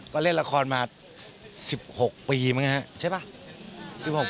ก็เล่นละครมา๑๖ปีมั้งฮะใช่ป่ะ